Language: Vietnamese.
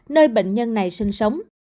nơi bệnh nhân này sinh sống